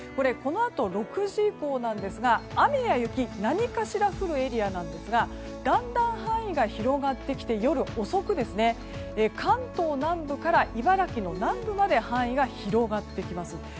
このあと６時以降なんですが雨や雪何かしら降るエリアですがだんだん範囲が広がってきて夜遅く、関東南部から茨城の南部まで範囲が広がってきます。